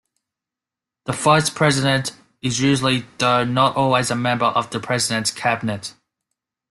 The Vice President is usually, though not always, a member of the president's cabinet.